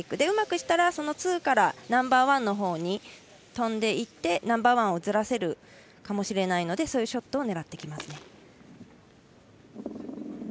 うまくしたら、そのツーからナンバーワンのほうに飛んでいってナンバーワンをずらせるかもしれないのでそういうショットを狙ってきます。